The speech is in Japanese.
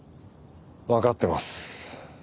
わかってます。